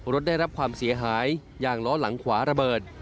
รถได้รับความเสียหายยางล้อหลังขวาระเบิด